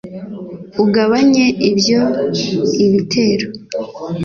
ugabanye ibyo ibitero